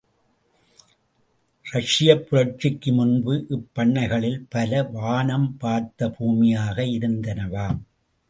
இரஷியப் புரட்சிக்கு முன்பு, இப்பண்ணைகளிலே பல, வானம் பார்த்த பூமியாக இருந்தனவாம்.